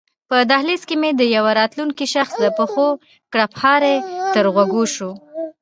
په دهلېز کې مې د یوه راتلونکي شخص د پښو کړپهاری تر غوږو شو.